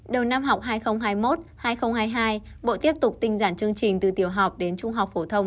đầu năm học hai nghìn hai mươi một hai nghìn hai mươi hai bộ tiếp tục tinh giản chương trình từ tiểu học đến trung học phổ thông